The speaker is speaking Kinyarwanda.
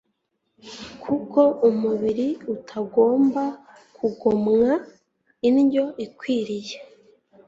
kuko umubiri utagomba kugomwa indyo ikwiriye